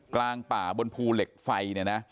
กลางป่าบนภูเหลคไฟ